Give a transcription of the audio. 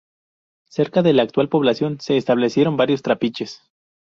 Cerca de la actual población se establecieron varios trapiches.